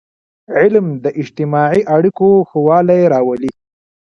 علم د اجتماعي اړیکو ښهوالی راولي.